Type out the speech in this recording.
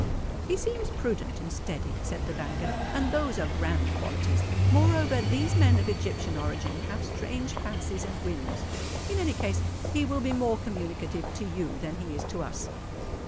"He seems prudent and steady," said the banker; "and those are grand qualities. Moreover, these men of Egyptian origin have strange fancies and whims. In any case, he will be more communicative to you than he is to us."